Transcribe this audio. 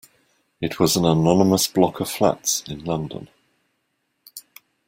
It was an anonymous block of flats in London